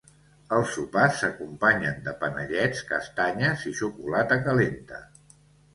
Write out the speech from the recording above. Els sopars s'acompanyen de panellets, castanyes i xocolata calenta.